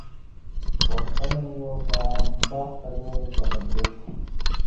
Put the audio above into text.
پوښتنه یې وکړه باغ ته ځئ که حجرې ته؟